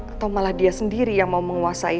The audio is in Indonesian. atau malah dia sendiri yang mau menguasai